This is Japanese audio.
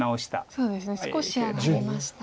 そうですね少し上がりました。